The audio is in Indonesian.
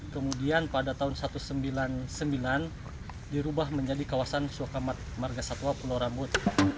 kemudian pada tahun seribu sembilan ratus sembilan puluh sembilan dirubah menjadi kawasan sukakamat marga satwa pulau rambut